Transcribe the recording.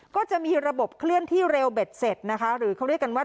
ก็จะมีระบบเคลื่อนที่เร็วเบ็ดเสร็จนะคะหรือเขาเรียกกันว่า